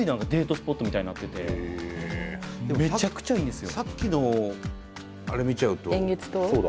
スポットみたいになっててめちゃくちゃいいんですよ！